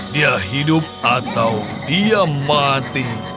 dia hidup atau dia mati